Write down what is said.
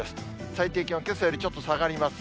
最低気温、けさよりちょっと下がります。